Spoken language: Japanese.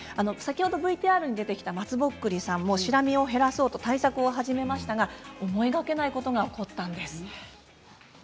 先ほどＶＴＲに出てきたまつぼっくりさんもシラミを減らそうと対策を始めましたが思いがけないことが起こったんです。